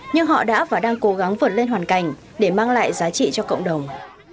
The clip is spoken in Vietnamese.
nhưng họ đã và đang cố gắng vượt lên hoàn cảnh để mang lại giá trị cho cộng đồng